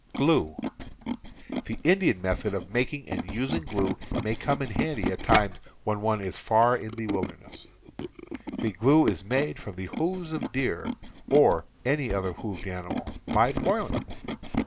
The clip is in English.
The Indian method of making and using glue may come in handy at times when one is far in the wilder ness. The glue is made from the hoofs of deer, or any other hoofed animals, by boiling.